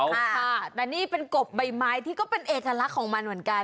ค่ะแต่นี่เป็นกบใบไม้ที่ก็เป็นเอกลักษณ์ของมันเหมือนกัน